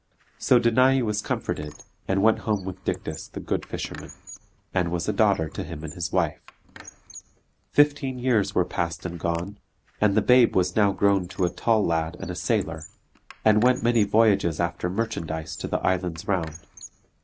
So Danae was comforted, and went home with Dictys the good fisherman, and was a daughter to him and to his wife. Fifteen years were passed and gone and the babe was now grown to a tall lad and a sailor, and went many voyages after merchandise to the islands round.